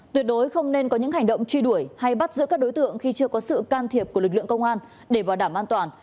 tuyệt đối không nên có những hành động truy đuổi hay bắt giữ các đối tượng khi chưa có sự can thiệp của lực lượng công an để bảo đảm an toàn